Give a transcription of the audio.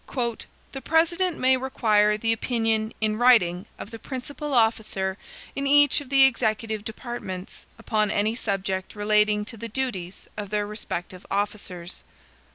"The President may require the opinion, in writing, of the principal officer in each of the executive departments, upon any subject relating to the duties of their respective officers."